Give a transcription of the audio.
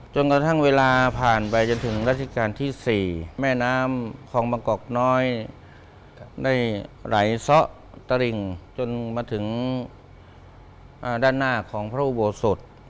จนกระทั่งเวลาผ่านไปจนถึงราชการที่๔แม่น้ำคลองบางกอกน้อยได้ไหลซะตะริงจนมาถึงด้านหน้าของพระอุโบสถ